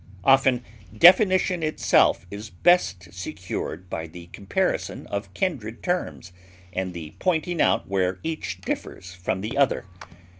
Often definition itself is best secured by the comparison of kindred terms and the pointing out where each differs from the other.